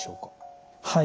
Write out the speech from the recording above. はい。